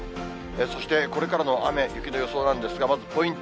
そしてこれからの雨、雪の予想なんですが、まずポイント。